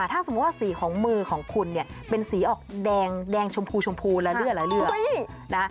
ถ้าสมมุติว่าสีของมือของคุณเนี่ยเป็นสีออกแดงชมพูชมพูและเลือดละเลือดนะ